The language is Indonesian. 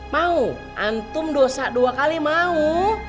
mau antum dosa dua kali mau